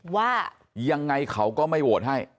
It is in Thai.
ว่ายังไงเขาก็ไม่โหวตให้